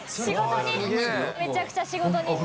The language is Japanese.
めちゃくちゃ仕事人だ。